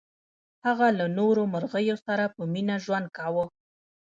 هغه له نورو مرغیو سره په مینه ژوند کاوه.